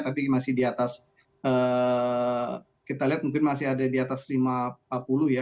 tapi masih di atas kita lihat mungkin masih ada di atas lima puluh ya